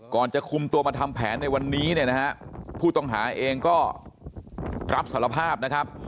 จะคุมตัวมาทำแผนในวันนี้เนี่ยนะฮะผู้ต้องหาเองก็รับสารภาพนะครับ